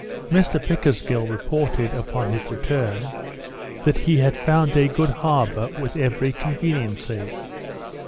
Mr Pickersgill reported, upon his return, that he had found a good harbour, with every conveniency.